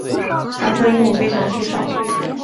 红胸鹦鹉非常稀少。